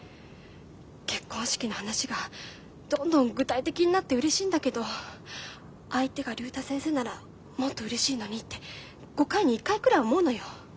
結婚式の話がどんどん具体的になってうれしいんだけど相手が竜太先生ならもっとうれしいのにって５回に１回くらい思うのよ。